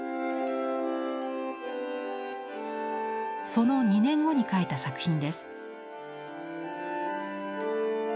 その２年後に描いた作品です。